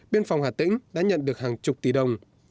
biên phòng hà tĩnh đã nhận được hàng chục tỷ đồng